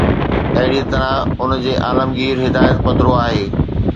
اهڙيء طرح، ان جي عالمگير هدايت پڌرو آهي.